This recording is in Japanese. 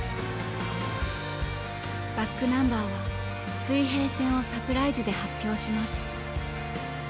ｂａｃｋｎｕｍｂｅｒは「水平線」をサプライズで発表します。